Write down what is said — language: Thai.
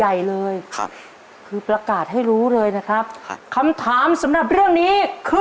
ใหญ่เลยครับคือประกาศให้รู้เลยนะครับครับคำถามสำหรับเรื่องนี้คือ